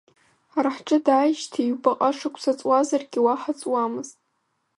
Ҳара ҳҿы дааижьҭеи ҩбаҟа шықәса ҵуазаргьы уаҳа ҵуамызт.